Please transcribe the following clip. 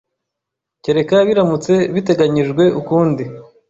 Kereka biramutse biteganyijwe ukundi